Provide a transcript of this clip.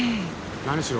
何しろ